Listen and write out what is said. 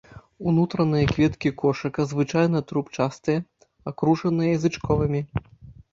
Унутраныя кветкі кошыка звычайна трубчастыя, акружаныя язычковымі.